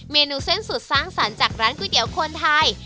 เมนูเส้นสุดสร้างสรรค์จากร้านก๋วยเตี๋ยวคนไทย